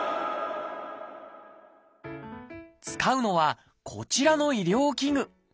使うのはこちらの医療器具。